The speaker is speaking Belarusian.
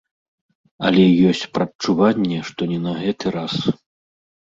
Але ёсць прадчуванне, што не на гэты раз.